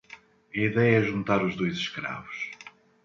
A ideia é juntar os dois escravos.